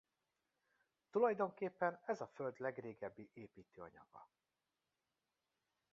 Tulajdonképpen ez a Föld legrégebbi építőanyaga.